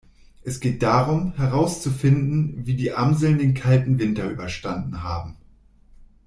Es geht darum, herauszufinden wie die Amseln den kalten Winter überstanden haben.